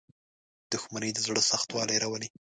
• دښمني د زړه سختوالی راولي.